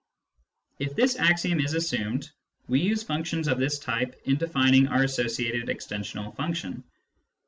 If this axiom is assumed, we use functions of this type in defining our associated extensional function.